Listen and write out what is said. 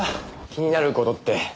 気になる事って。